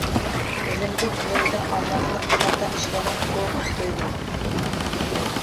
Үҙемде төҙәтә алмаҫлыҡ хата эшләгән кеүек тойҙом.